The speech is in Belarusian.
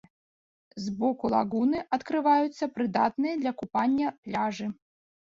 З боку лагуны адкрываюцца прыдатныя для купання пляжы.